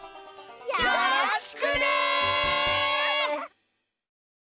よろしくね！